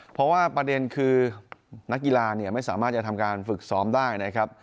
เพราะว่าประเด็นคือนักกีฬาเนี่ยไม่สามารถจะทำการฝึกซ้อมได้นะครับ